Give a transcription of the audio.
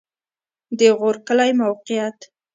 د غور کلی موقعیت